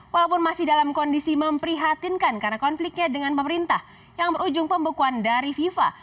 walaupun masih dalam kondisi memprihatinkan karena konfliknya dengan pemerintah yang berujung pembekuan dari fifa